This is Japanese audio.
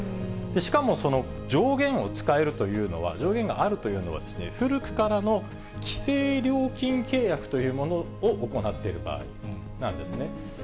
しかもその上限を使えるというのは、上限があるというのは、古くからの規制料金契約というものを行っている場合なんですね。